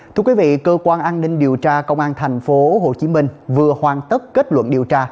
thưa quý vị cơ quan an ninh điều tra công an thành phố hồ chí minh vừa hoàn tất kết luận điều tra